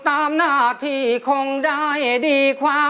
เพื่อจะไปชิงรางวัลเงินล้าน